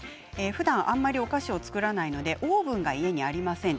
ふだんあまりお菓子を作らないのでオーブンが家にありません。